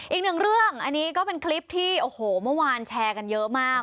อีกหนึ่งเรื่องอันนี้ก็เป็นคลิปที่โอ้โหเมื่อวานแชร์กันเยอะมาก